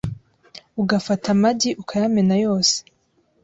Ugafata amagi ukayamena yose